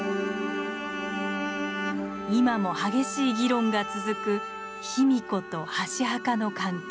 今も激しい議論が続く卑弥呼と箸墓の関係。